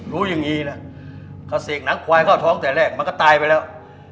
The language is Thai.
รู้อย่างนี้นะเขาเสกหนังควายเข้าท้องแต่แรกมันก็ตายไปแล้ว